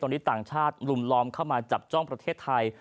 ตอนนี้ต่างชาติลุมล้อมเข้ามาจับจ้องประเทศไทย